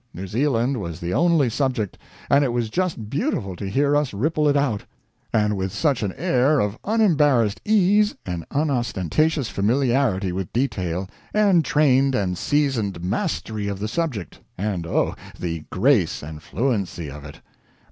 New Zealand was the only subject; and it was just beautiful to hear us ripple it out. And with such an air of unembarrassed ease, and unostentatious familiarity with detail, and trained and seasoned mastery of the subject and oh, the grace and fluency of it!